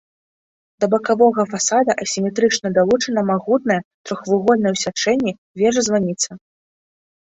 Да бакавога фасада асіметрычна далучана магутная, трохвугольная ў сячэнні, вежа-званіца.